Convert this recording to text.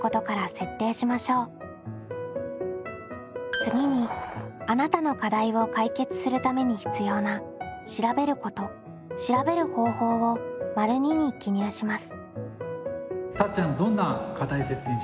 次にあなたの課題を解決するために必要な「調べること」「調べる方法」を②に記入します。